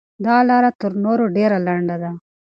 دا لاره تر نورو ډېره لنډه ده.